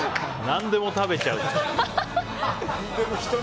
何でも食べちゃう。